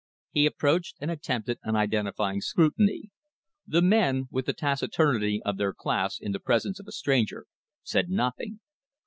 He approached, and attempted an identifying scrutiny. The men, with the taciturnity of their class in the presence of a stranger, said nothing.